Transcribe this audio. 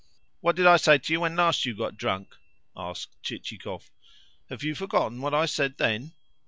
"What did I say to you when last you got drunk?" asked Chichikov. "Have you forgotten what I said then?"